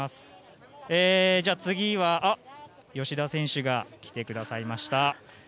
次は、吉田選手が来てくださいました。